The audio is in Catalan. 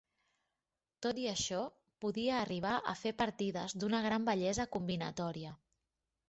Tot i això, podia arribar a fer partides d'una gran bellesa combinatòria.